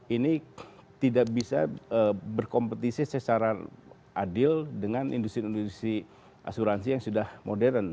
ini tidak bisa berkompetisi secara adil dengan industri industri asuransi yang sudah modern